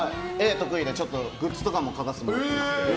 得意でグッズとかも描かせてもらってます。